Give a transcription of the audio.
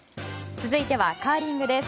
続いてはカーリングです。